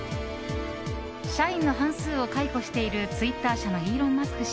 社員の半数を解雇しているツイッター社のイーロン・マスク